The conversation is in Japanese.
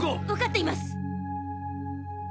わかっています。